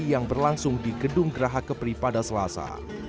yang berlangsung di gedung geraha kepri pada selasa